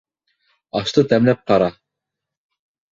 Ашты тәмләп ҡара